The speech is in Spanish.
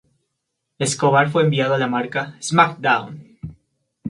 Escobar fue enviado a la marca "SmackDown!